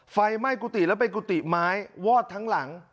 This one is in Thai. ไฟไหม้กุฏิแล้วเป็นกุฏิไม้วอดทั้งหลัง